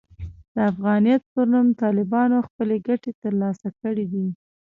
د افغانیت پر نوم طالبانو خپلې ګټې ترلاسه کړې دي.